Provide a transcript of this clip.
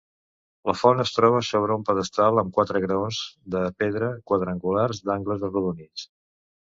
La font es troba sobre un pedestal amb quatre graons de pedra quadrangulars d'angles arrodonits.